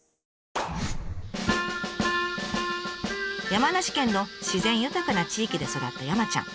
山梨県の自然豊かな地域で育った山ちゃん。